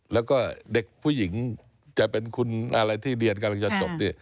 แล้วก็เด็กผู้หญิงจะเป็นคุณอะไรที่เรียนการรัฐการณ์จบ